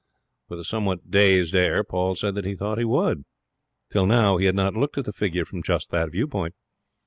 With a somewhat dazed air Paul said that he thought he would. Till now he had not looked at the figure from just that view point.